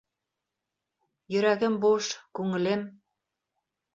Йөрәгем буш, күңелем.